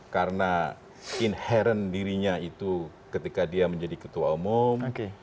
karena inherent dirinya itu ketika dia menjadi ketua umum